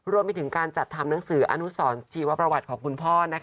รวมไปถึงการจัดทำหนังสืออนุสรชีวประวัติของคุณพ่อ